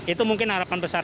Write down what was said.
itu mungkin harapan besar